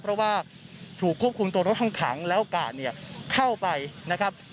เพราะว่าถูกควบคุมตัวรถห้องขังแล้วกาดเนี่ยเข้าไปนะครับ